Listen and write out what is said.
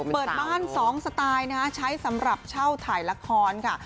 เปิดบ้าน๒สไตล์ใช้สำหรับเช่าถ่ายละครค่ะ